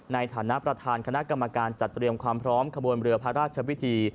ในฐานะประธานคณะกรรมการจัดเตรียมความพร้อมขบวนเรือพระราชพิธี